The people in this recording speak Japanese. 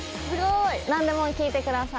何でも聞いてください